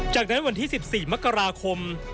จากนั้นวันที่๑๔มกราคม